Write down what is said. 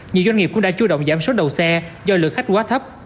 nhiều doanh nghiệp cũng đã chú động giảm số đầu xe do lượng khách quá thấp